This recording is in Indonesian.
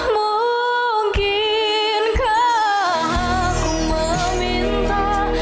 mungkinkah aku meminta